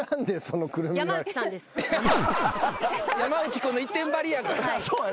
山内君の一点張りや。